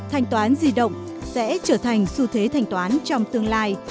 thanh toán di động sẽ trở thành xu thế thanh toán trong tương lai